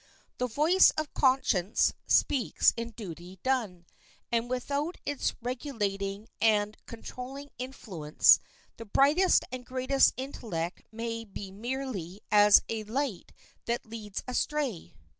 The voice of conscience speaks in duty done, and without its regulating and controlling influence the brightest and greatest intellect may be merely as a light that leads astray.